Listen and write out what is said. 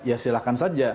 ya silahkan saja